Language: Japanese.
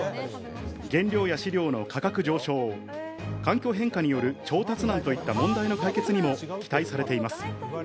原料や飼料の価格上昇、環境変化による調達難といった解決にも期待されています。